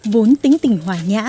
vốn tính tỉnh hòa nhã